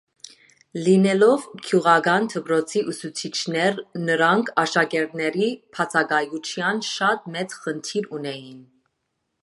Լինելով գյուղական դպրոցի ուսուցիչներ՝ նրանք աշակերտների բացակայության շատ մեծ խնդիր ունեին։